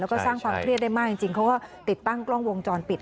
แล้วก็สร้างความเครียดได้มากจริงเขาก็ติดตั้งกล้องวงจรปิด